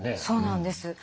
そうなんです。